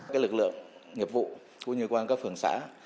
các lực lượng nghiệp vụ cũng như các phường xã